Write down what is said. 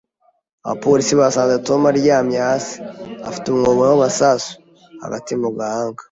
Abapolisi basanze Tom aryamye hasi afite umwobo w’amasasu hagati mu gahanga